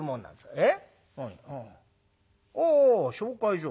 「えっ？ああ紹介状。